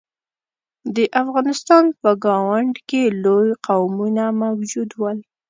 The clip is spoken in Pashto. د افغانستان په ګاونډ کې لوی قومونه موجود ول.